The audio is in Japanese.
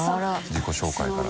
自己紹介から。